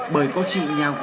bởi cô chị nhà quân